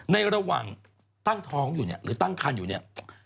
ในระหว่างตั้งท้องอยู่เนี่ยหรือตั้งคันอยู่เนี่ย